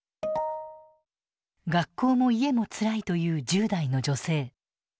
学校も家もつらいという１０代の女性。